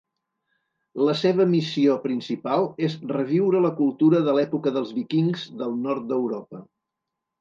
La seva missió principal és reviure la cultura de l'"època dels víkings" del nord d'Europa.